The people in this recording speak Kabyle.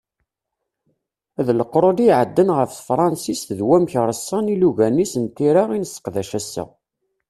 D leqrun i iεeddan ɣef tefransist d wamek reṣṣan ilugan-is n tira i nesseqdac ass-a.